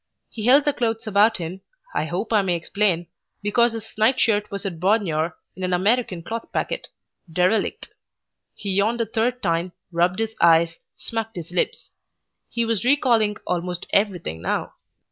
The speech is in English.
He held the clothes about him, I hope I may explain, because his night shirt was at Bognor in an American cloth packet, derelict. He yawned a third time, rubbed his eyes, smacked his lips. He was recalling almost everything now.